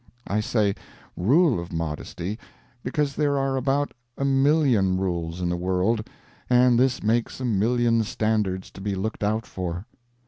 I say "rule of modesty" because there are about a million rules in the world, and this makes a million standards to be looked out for.